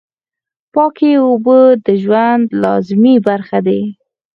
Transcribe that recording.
پاکې اوبه د ژوند لازمي برخه دي.